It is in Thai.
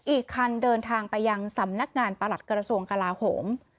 อีกคันเดินทางไปยังสำนักงานประหลัดกระทรวงกลาโหม